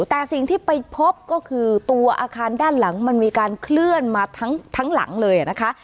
แต่สิ่งที่ไปพบก็คือตัวอาคารด้านหลังมันมีการเคลื่อนมาทั้งหลังเลยนะคะ